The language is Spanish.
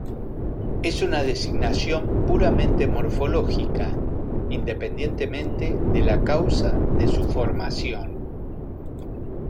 Es una designación puramente morfológica, independientemente de la causa de su formación.